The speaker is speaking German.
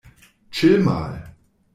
Chill mal!